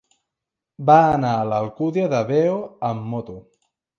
Va anar a l'Alcúdia de Veo amb moto.